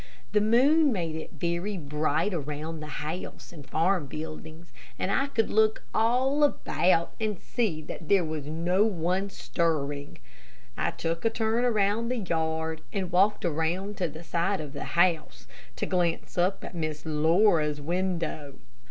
The moon made it very bright all around the house and farm buildings, and I could look all about and see that there was no one stirring. I took a turn around the yard, and walked around to the side of the house, to glance up at Miss Laura's window.